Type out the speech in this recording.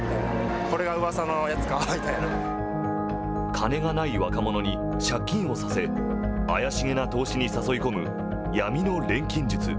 金がない若者に借金をさせ怪しげな投資に誘い込む闇の錬金術。